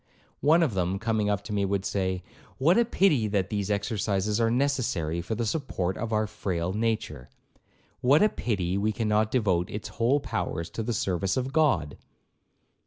One of them, coming up to me, would say, 'What a pity that these exercises are necessary for the support of our frail nature! what a pity we cannot devote its whole powers to the service of God!'